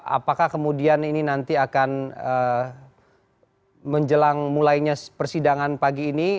apakah kemudian ini nanti akan menjelang mulainya persidangan pagi ini